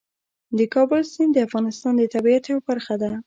د کابل سیند د افغانستان د طبیعت یوه برخه ده.